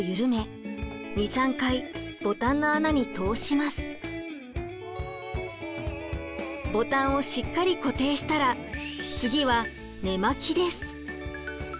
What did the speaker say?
まずボタンをしっかり固定したら次は根巻きです。